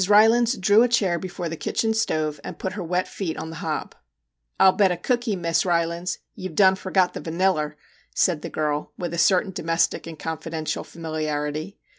Rylands drew a chair before the kitchen stove, and put her wet feet on the hob. ' I '11 bet a cookey, Mess Rylands, you Ve done forget the vanillar/ said the girl, with a certain domestic and confidential familiarity.